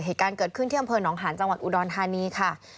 เหตุการณ์เกิดขึ้นที่อำเภอหนองหาญจังหวัดอุดรธานีค่ะ